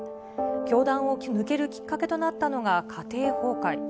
教団を抜けるきっかけとなったのが、家庭崩壊。